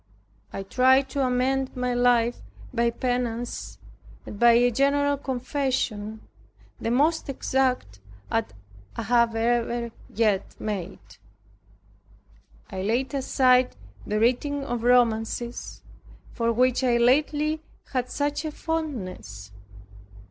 I tried to amend my life by penance, and by a general confession, the most exact that I ever yet had made. I laid aside the reading of romances, for which I lately had such a fondness.